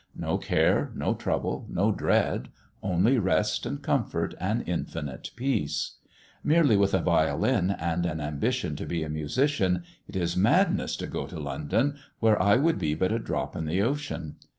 "No care, no trouble, no dread, only rest and comfort, and infinite peace. Merely with a violin and an ambition to be a musician, it is madness to go to London, where I would be but a drop in the ocean.